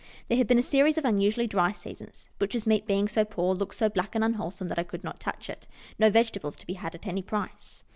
There had been a series of unusually dry seasons ; butcher's meat being so poor, looked so black and unwholesome that I could not touch it. No vegetables to be had at any price.